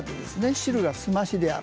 汁が澄ましである。